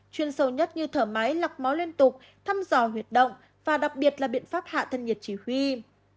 chuyên sâu nhất như thở máy lọc máu liên tục thăm dò huyệt động và đặc biệt là biện pháp hạ thân nhiệt chỉ huy y